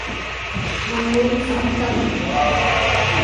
نہ کوئی ضابطہ ہے۔